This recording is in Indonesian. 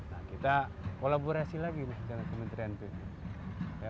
nah kita kolaborasi lagi dengan kementerian pu